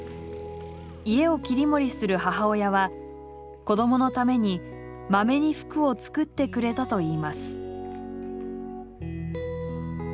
家を切り盛りする母親は子どものためにまめに服を作ってくれたといいます。